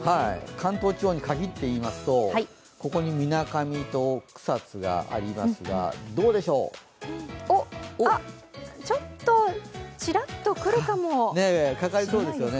関東地方に限っていいますと、ここにみなかみと草津がありますが、ちょっと、ちらっとくるかもしれないですね。